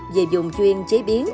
về dùng chuyên chế biến